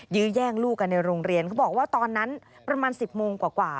ยื้อแย่งลูกกันในโรงเรียนเขาบอกว่าตอนนั้นประมาณ๑๐โมงกว่า